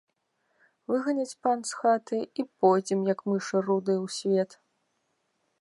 Выганіць пан з хаты, і пойдзем, як мышы рудыя, у свет.